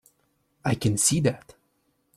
I can see that.